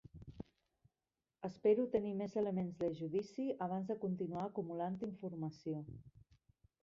Espero tenir més elements de judici abans de continuar acumulant informació.